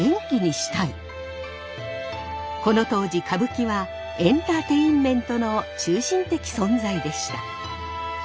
この当時歌舞伎はエンターテインメントの中心的存在でした。